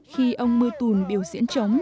khi ông mưu tùn biểu diễn trống